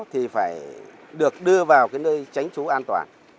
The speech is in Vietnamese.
thì phải được đưa vào cái nơi tránh bão